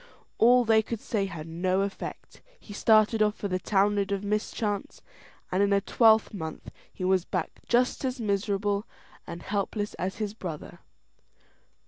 All they could say had no effect: he started off for the Townland of Mischance, and in a twelvemonth he was back just as miserable and helpless as his brother.